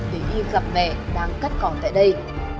để y gặp mẹ đang cắt cỏn tại đây